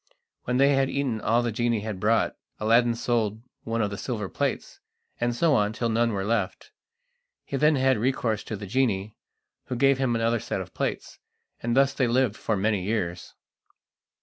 When they had eaten all the genie had brought, Aladdin sold one of the silver plates, and so on till none were left. He then had recourse to the genie, who gave him another set of plates, and thus they lived for many years.